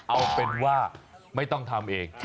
เอาเป็นว่าไม่ต้องทำเอง